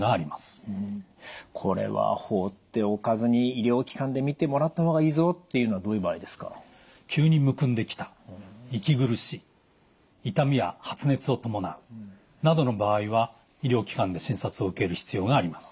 これは放っておかずに医療機関で診てもらった方がいいぞっていうのはどういう場合ですか？などの場合は医療機関で診察を受ける必要があります。